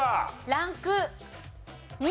ランク２。